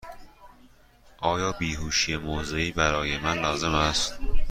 آیا بیهوشی موضعی برای من لازم است؟